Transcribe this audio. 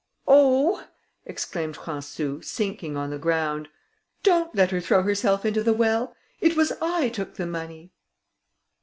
"Oh!" exclaimed Françou, sinking on the ground, "don't let her throw herself into the well! It was I took the money."